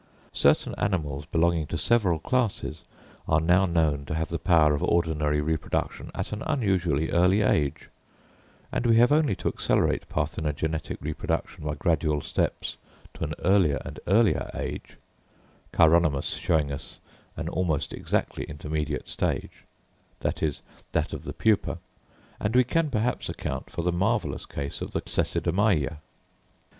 Certain animals belonging to several classes are now known to have the power of ordinary reproduction at an unusually early age; and we have only to accelerate parthenogenetic reproduction by gradual steps to an earlier and earlier age—Chironomus showing us an almost exactly intermediate stage, viz., that of the pupa—and we can perhaps account for the marvellous case of the Cecidomyia.